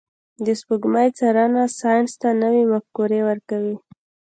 د سپوږمۍ څارنه ساینس ته نوي مفکورې ورکوي.